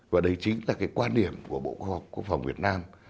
và đấy chính là cái quan điểm của bộ quốc phòng việt nam